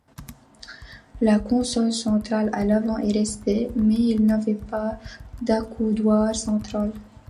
La console centrale à l'avant est restée, mais il n'y avait pas d'accoudoir central.